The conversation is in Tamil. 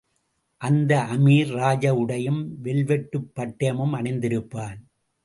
அந்த அமீர், ராஜ உடையும், வெல்வெட்டுப் பட்டயமும் அணிந்திருப்பான்.